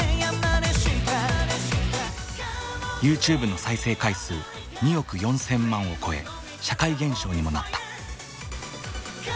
ＹｏｕＴｕｂｅの再生回数２億４，０００万を超え社会現象にもなった。